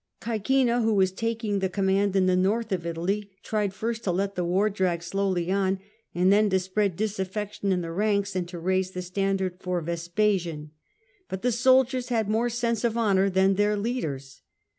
Ca?cina, who was taking the com mand in the north of Italy, tried first to let the war drag slowly on, and then to spread disaffection in the ranks, and to raise the standard for Vespasian. But the soldiers had more sense of honour than their leaders.